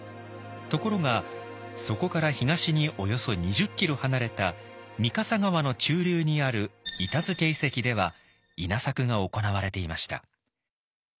ところがそこから東におよそ２０キロ離れた御笠川の中流にある板付遺跡では稲作が行われていました。